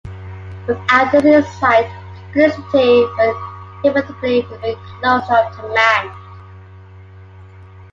Without this insight, Christianity would inevitably remain closed off to man.